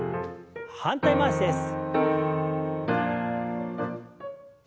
反対回しです。